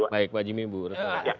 baik pak jimmy